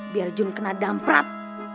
biar jun kena damprap